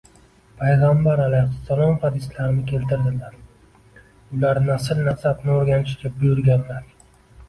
Payg‘ambar alayhissalom hadislarini keltirdilar, ular nasl-nasabni o‘rganishga buyurganlar